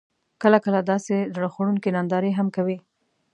کله، کله داسې زړه خوړونکې نندارې هم کوي: